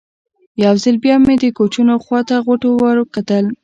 یو ځل بیا مې د کوچونو خوا ته غوټو ته وکتل.